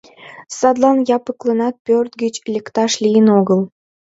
Садлан Япыкланат пӧрт гыч лекташ лийын огыл.